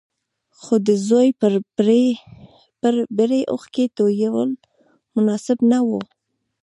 خو د زوی پر بري اوښکې تويول مناسب نه وو.